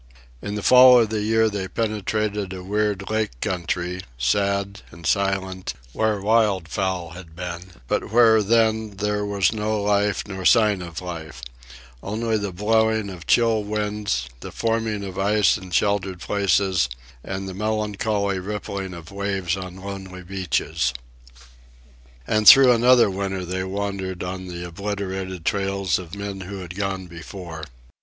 In the fall of the year they penetrated a weird lake country, sad and silent, where wildfowl had been, but where then there was no life nor sign of life—only the blowing of chill winds, the forming of ice in sheltered places, and the melancholy rippling of waves on lonely beaches. And through another winter they wandered on the obliterated trails of men who had gone before.